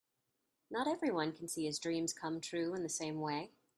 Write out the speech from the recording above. Not everyone can see his dreams come true in the same way.